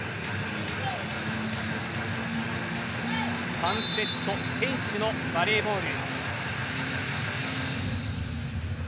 ３セット先取のバレーボール。